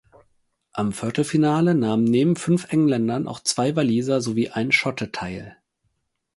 Am Viertelfinale nahmen neben fünf Engländern auch zwei Waliser sowie ein Schotte teil.